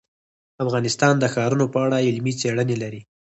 افغانستان د ښارونو په اړه علمي څېړنې لري.